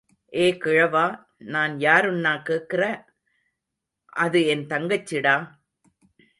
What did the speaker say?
ஏ கிழவா, நான் யாருன்னா கேக்கிற?... இது என் தங்கச்சிடா!..